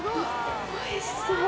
おいしそう。